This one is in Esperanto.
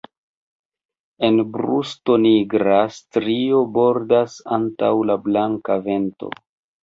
En brusto nigra strio bordas antaŭ la blanka ventro.